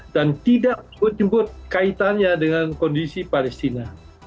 dan tidak sebut sebut kaitannya dengan kondisi palestina